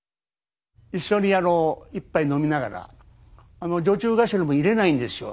一緒にあの一杯飲みながら女中頭も入れないんですよ